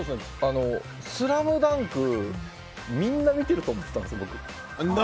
「スラムダンク」はみんな見ていると思ってたんです。